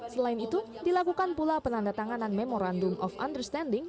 selain itu dilakukan pula penandatanganan memorandum of understanding